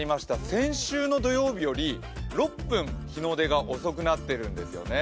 先週の土曜日より６分、日の出が遅くなっているんですよね。